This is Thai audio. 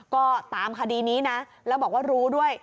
ก็ตามคดีนี้นะแล้วบอกว่ารู้ด้วย